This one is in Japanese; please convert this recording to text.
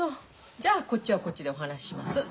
じゃあこっちはこっちでお話しします。